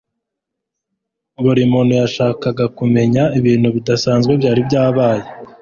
Buri muntu yashakaga kumenya ibintu bidasanzwe byari byabaye.